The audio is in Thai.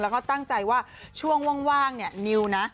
แล้วก็ตั้งใจว่าช่วงว่างเนี่ยนิวนะ